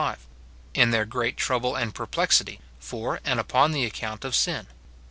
33 35, in their great trouble and perplexity, for and upon the account of sin.